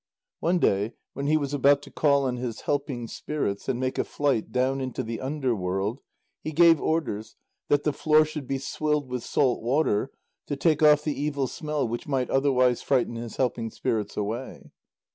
One day, when he was about to call on his helping spirits and make a flight down into the underworld, he gave orders that the floor should be swilled with salt water, to take off the evil smell which might otherwise frighten his helping spirits away.